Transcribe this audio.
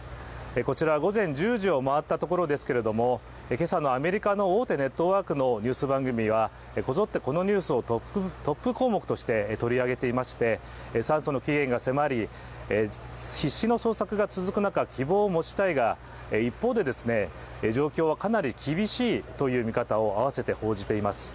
こちら午前１０時を回ったところですけれども今朝のアメリカの大手ネットワークのニュース項目は、こぞってこのニュースをトップ項目として取り上げていまして、酸素の期限が迫り、必死の捜索が続く中希望を持ちたいが、一方で状況はかなり厳しいという見方を合わせて報じています。